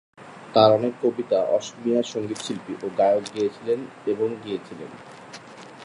তাঁর অনেক কবিতা অসমীয়া সংগীতশিল্পী ও গায়ক গেয়েছিলেন এবং গেয়েছিলেন।